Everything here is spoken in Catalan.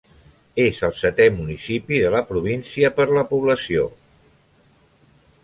És el setè municipi de la província per la població.